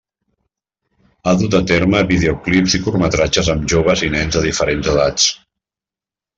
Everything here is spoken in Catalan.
Ha dut a terme videoclips i curtmetratges amb joves i nens de diferents edats.